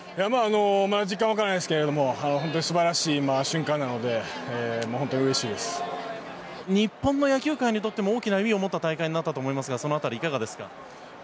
実感が湧かないですが本当に素晴らしい瞬間なので日本の野球界にとっても大きな意味を持った大会になったと思いますがいかがですか。